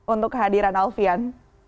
untuk kehadiran alfian